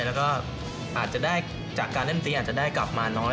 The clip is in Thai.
แล้วก็อาจจะได้จากการเล่นดนตรีอาจจะได้กลับมาน้อย